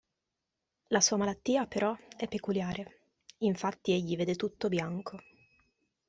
La sua malattia, però, è peculiare: infatti egli vede tutto bianco.